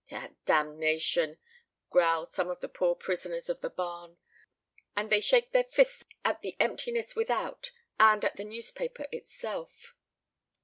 "Ah, damnation!" growl some of the poor prisoners of the barn, and they shake their fists at the emptiness without and at the newspaper itself.